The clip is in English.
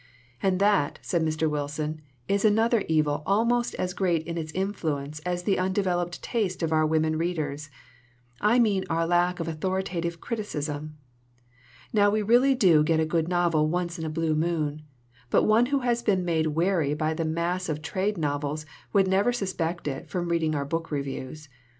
"And that," said Mr. Wilson, "is another evil almost as great in its influence as the undeveloped taste of our women readers. I mean our lack of authoritative criticism. Now we really do get a good novel once in a blue moon, but one who has been made wary by the mass of trade novels would never suspect it from reading our book reviews.